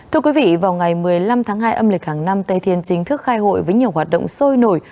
thưa quý vị vào ngày một mươi năm tháng hai âm lịch hàng năm tây thiên chính thức khai hội với nhiều hoạt động sôi nổi